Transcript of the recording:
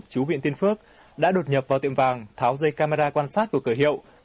chú huyện tiên phước đã đột nhập vào tiệm vàng tháo dây camera quan sát của cửa hiệu